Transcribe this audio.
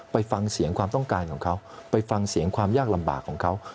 ไปฟังเสียงความต้องการของเขาไปฟังเสียงความยากลำบากของเขา